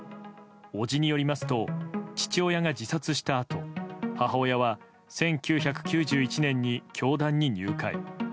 伯父によりますと父親が自殺したあと母親は１９９１年に教団に入会。